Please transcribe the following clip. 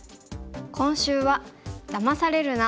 今週は「だまされるな！